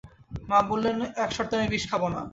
মা বললেন, এক শর্তে আমি বিষ খাব না।